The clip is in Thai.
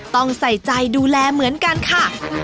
ต้องใส่ใจดูแลเหมือนกันค่ะ